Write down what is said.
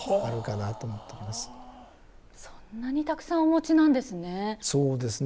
そんなにたくさんお持ちなんですね。